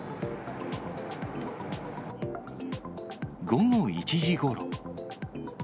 午後１時ごろ。